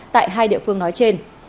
tại hai địa phương nói trên